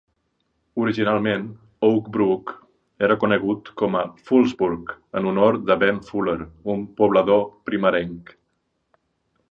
Originalment Oak Brook era conegut com a Fullersburg, en honor de Ben Fuller, un poblador primerenc.